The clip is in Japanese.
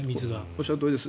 おっしゃるとおりです。